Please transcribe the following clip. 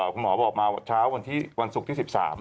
คุณหมอบอกมาว่าเช้าวันที่วันศุกร์ที่๑๓